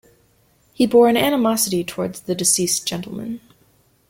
He bore an animosity towards the deceased gentleman.